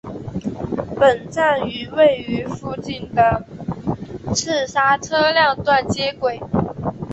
本站与位于附近的赤沙车辆段接轨。